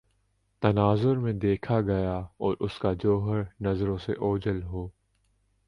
تناظرمیں دیکھا گیا اور اس کا جوہرنظروں سے اوجھل ہو